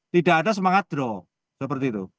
tidak ada semangat draw seperti itu